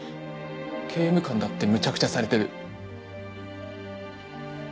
刑務官だってむちゃくちゃされてる。